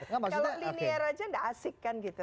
kalau linier saja tidak asik kan gitu